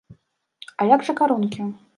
А як жа карункі?